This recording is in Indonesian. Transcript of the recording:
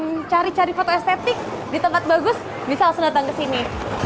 mencari cari foto estetik di tempat bagus bisa langsung datang ke sini